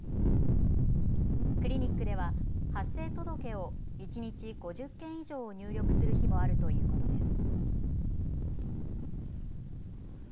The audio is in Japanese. クリニックでは発生届を一日５０件以上を入力する日もあるということです。